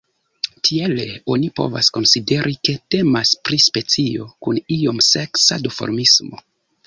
Tiele oni povas konsideri, ke temas pri specio kun ioma seksa duformismo.